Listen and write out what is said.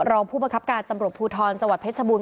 รองผู้บังคับการตำรวจภูทรจังหวัดเพชรบูรณ